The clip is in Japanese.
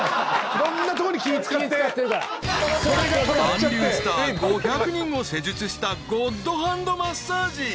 ［韓流スター５００人を施術したゴッドハンドマッサージ］